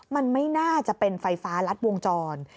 มันไม่น่าจะเป็นไฟฟ้ารัดวงจร